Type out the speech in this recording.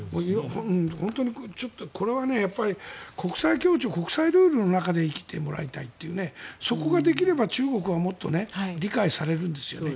本当にこれは国際協調国際ルールの中で生きてもらいたいというそこができれば、中国はもっと理解されるんですよね。